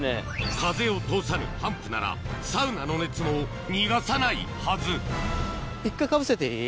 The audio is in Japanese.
風を通さぬ帆布ならサウナの熱も逃がさないはず１回かぶせていい？